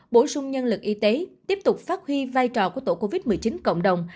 bổ sung nhân lực y tế tiếp tục phát huy vai trò của tổ covid một mươi chín cộng đồng